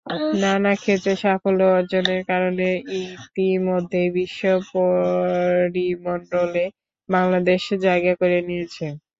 নানা ক্ষেত্রে সাফল্য অর্জনের কারণে ইতিমধ্যেই বিশ্ব পরিমণ্ডলে বাংলাদেশ জায়গা করে নিয়েছে।